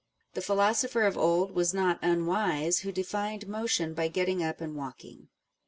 The philosopher of old was not unwise who defined motion by getting up and walking.